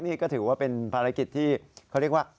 นี่ก็ถือว่าเป็นภารกิจที่เขาเรียกว่า